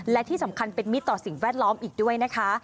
และที่สำคัญเป็นมิตรต่อสิ่งแวดล้อมอีกด้วยนะคะ